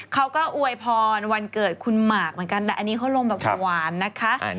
อวยพรวันเกิดคุณหมากเหมือนกันแต่อันนี้เขาลงแบบหวานนะคะ